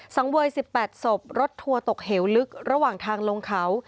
สังเวย๑๘ศพรถทัวร์ตกเหวลึกระหว่างทางลงเขา